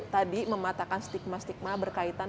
tadi mematakan stigma stigma berkaitan